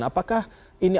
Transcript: apakah ini artinya